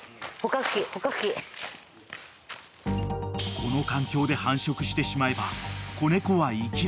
［この環境で繁殖してしまえば］